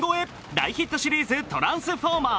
大ヒットシリーズ「トランスフォーマー」。